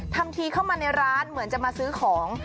ทำทีเข้ามาในร้านเหมือนจะมาซื้อของ